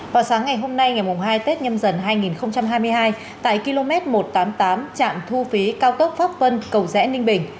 vào sáng ngày hôm nay ngày hai tết nhâm dần hai nghìn hai mươi hai tại km một trăm tám mươi tám trạm thu phí cao tốc pháp vân cầu rẽ ninh bình